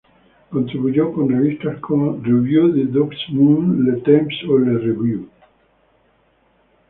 Contribuyó con revistas como "Revue des Deux Mondes", "Le Temps" o "La Revue".